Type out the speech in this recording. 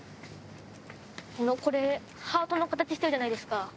あのこれハートの形してるじゃないですか。